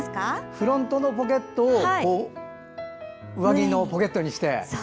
フロントのポケットを上着のポケットにして。